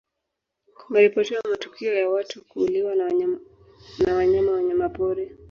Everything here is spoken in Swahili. kumeripotiwa matukio ya watu kuuliwa na wanyama wanyamapori